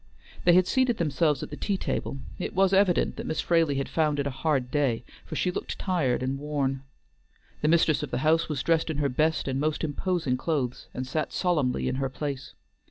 They had seated themselves at the tea table; it was evident that Miss Fraley had found it a hard day, for she looked tired and worn. The mistress of the house was dressed in her best and most imposing clothes, and sat solemnly in her place.